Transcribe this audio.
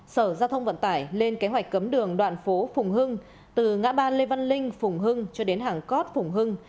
sở giao thông vận tải lên kế hoạch cấm đường đoạn phố phùng hưng từ ngã ba lê văn linh phùng hưng cho đến hàng cót phùng hưng